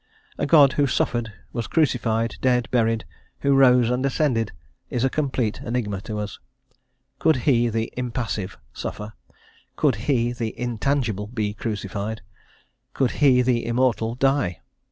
A God, who suffered, was crucified, dead, buried, who rose and ascended, is a complete enigma to us. Could He, the impassive, suffer? could He, the intangible, be crucified? could He, the immortal, die?